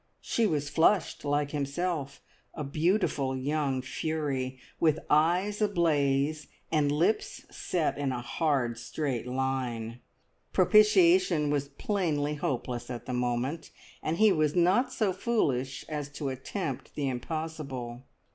She was flushed like himself, a beautiful young fury, with eyes ablaze, and lips set in a hard, straight line. Propitiation was plainly hopeless at the moment, and he was not so foolish as to attempt the impossible.